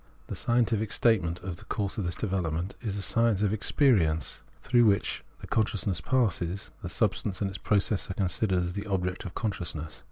The scientific statement of the course of this development is a science of the experience through which consciousness passes ; the substance and its process are considered as the object of consciousness.